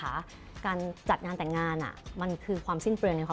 ไม่ได้ใช้งานเพื่อนฟรีนะคะ